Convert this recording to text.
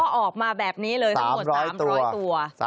ออกมาแบบนี้เลยทั้งหมด๓๐๐ตัว